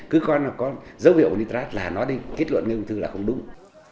cứ coi nó có dấu hiệu nitrat là nó đi kết luận cái ung thư là không đúng